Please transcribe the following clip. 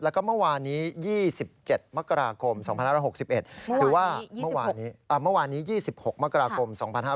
แล้วก็เมื่อวานนี้๒๗มกราคม๒๕๖๑